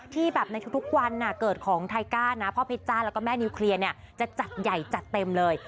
ที่แบบในทุกวันเกิดของไทก้านะพ่อเพชจ้าแล้วก็แม่นิวเคลียร์เนี่ยจะจัดใหญ่จัดเต็มเลย